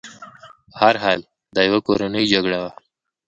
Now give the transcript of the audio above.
په هر حال دا یوه کورنۍ جګړه وه.